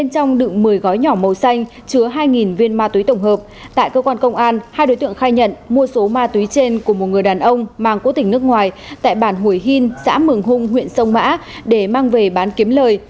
cơ quan công an hai đối tượng khai nhận mua số ma túy trên của một người đàn ông mang của tỉnh nước ngoài tại bản hủy hìn xã mường hung huyện sông mã để mang về bán kiếm lời